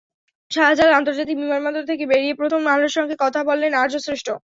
শাহজালাল আন্তর্জাতিক বিমানবন্দর থেকে বেরিয়ে প্রথম আলোর সঙ্গে কথা বললেন আর্য শ্রেষ্ঠ।